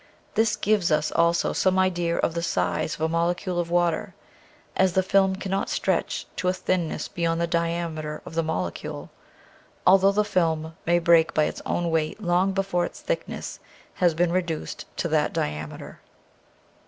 This gives us also some idea of the size of a mole cule of water, as the film cannot stretch to a thinness beyond the diameter of the molecule; although the film may break by its own weight long before its thickness has been reduced to that diameter.